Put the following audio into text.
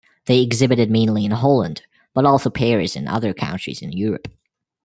They exhibited mainly in Holland, but also Paris and other countries in Europe.